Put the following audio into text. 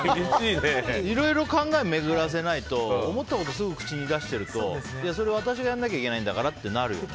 いろいろ考えを巡らせないと思ったことをすぐ口に出してるとそれ私がやらなきゃいけないんだからってなるよね。